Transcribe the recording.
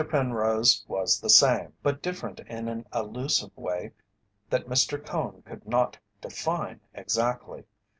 Penrose was the same, yet different in an elusive way that Mr. Cone could not define exactly.